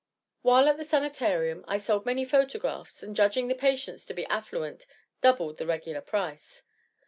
While at the Sanitarium I sold many photographs, and judging the patients to be affluent, doubled the regular price.